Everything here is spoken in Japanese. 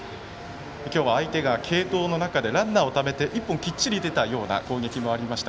今日は相手が継投の中でランナーをためて１本きっちり出たような攻撃もありました。